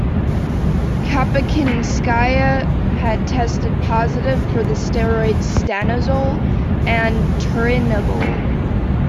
Kapachinskaya had tested positive for the steroids stanozol and turinabol.